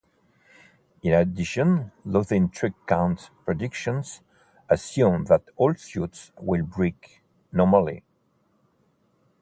In addition, losing-trick count predictions assume that all suits will break normally.